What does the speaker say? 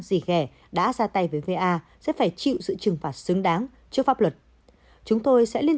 dì ghẻ đã ra tay với v a sẽ phải chịu sự trừng phạt xứng đáng cho pháp luật chúng tôi sẽ liên